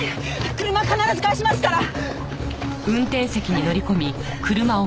車は必ず返しますから！